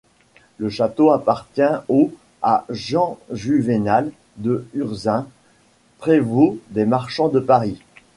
Le château appartient au à Jean Juvénal des Ursins, prévôt des marchands de Paris.